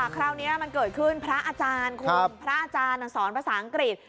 คราวนี้มันเกิดขึ้นพระอาจารย์คุณพระอาจารย์สอนภาษาอังกฤษ